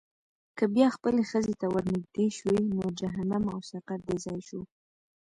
که بیا خپلې ښځې ته ورنېږدې شوې، نو جهنم او سقر دې ځای شو.